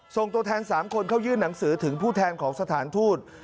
ส่งตัวแทน๓คนเข้ายื่นหนังสือถึงผู้แทนของสถานทูต